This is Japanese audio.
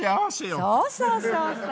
そうそうそうそう。